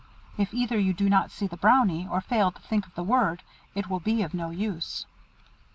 If either you do not see the Brownie, or fail to think of the word, it will be of no use."